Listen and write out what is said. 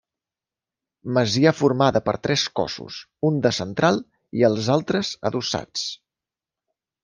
Masia formada per tres cossos, un de central i els altres adossats.